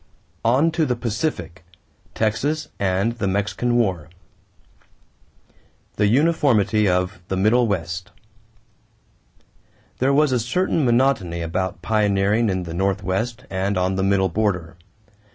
ON TO THE PACIFIC TEXAS AND THE MEXICAN WAR =The Uniformity of the Middle West.= There was a certain monotony about pioneering in the Northwest and on the middle border.